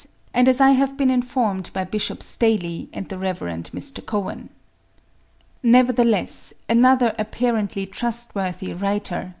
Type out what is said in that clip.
and as I have been informed by Bishop Staley and the Rev. Mr. Coan. Nevertheless, another apparently trustworthy writer, Mr. Jarves (97.